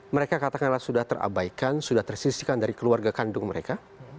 mereka katakanlah sudah terabaikan sudah tersisikan dari keluarga kandung mereka